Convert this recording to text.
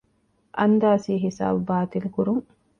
އަންދާސީހިސާބު ބާޠިލުކުރުން